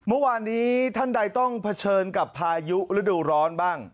เมื่อวานนี้ท่านใดต้องเผชิญกับพายุฤดูร้อนบ้าง